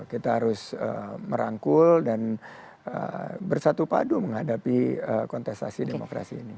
kita harus merangkul dan bersatu padu menghadapi kontestasi demokrasi ini